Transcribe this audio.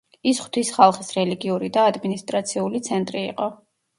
ის ღვთის ხალხის რელიგიური და ადმინისტრაციული ცენტრი იყო.